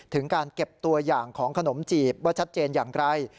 ถึงการเก็บตัวอย่างของขนมจีบว่าชัดเจนอย่างไร